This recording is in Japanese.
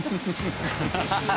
ハハハハ。